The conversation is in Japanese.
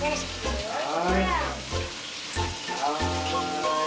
はい。